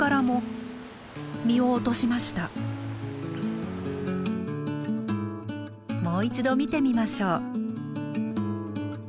もう一度見てみましょう。